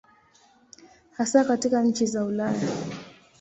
Hasa katika nchi za Ulaya.